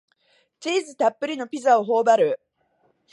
チーズたっぷりのピザをほおばる